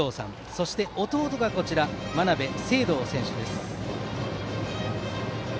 そして、弟が真鍋成憧選手です。